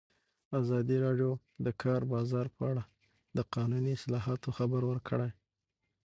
ازادي راډیو د د کار بازار په اړه د قانوني اصلاحاتو خبر ورکړی.